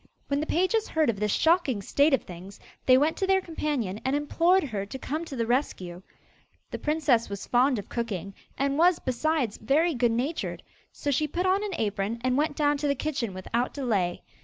When the pages heard of this shocking state of things, they went to their companion and implored her to come to the rescue. The princess was fond of cooking, and was, besides, very good natured; so she put on an apron and went down to the kitchen without delay.